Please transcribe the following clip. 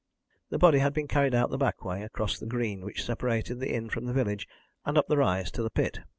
The body had been carried out the back way, across the green which separated the inn from the village, and up the rise to the pit.